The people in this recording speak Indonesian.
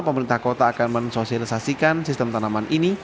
pemerintah kota akan mensosialisasikan sistem tanaman ini